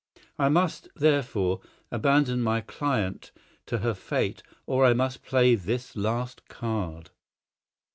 I must, therefore, abandon my client to her fate or I must play this last card.